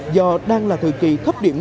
do đang là thời kỳ khắp điểm